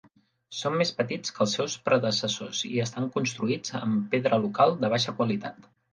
Són més petits que els seus predecessors i estan construïts amb pedra local de baixa qualitat.